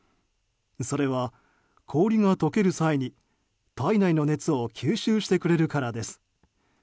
それは、氷が解ける際に体内の熱を吸収してくれるからです。